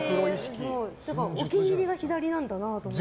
お気に入りが左なんだなって思って。